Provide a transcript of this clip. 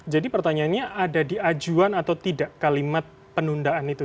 jadi pertanyaannya ada di ajuan atau tidak kalimat penundaan itu